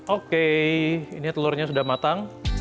oke ini telurnya sudah matang